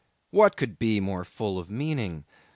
What could be more full of meaning?